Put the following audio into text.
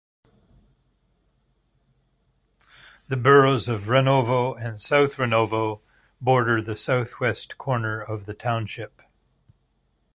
The boroughs of Renovo and South Renovo border the southwest corner of the township.